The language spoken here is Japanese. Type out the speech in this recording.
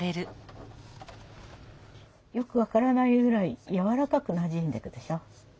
よく分からないぐらいやわらかくなじんでくでしょ？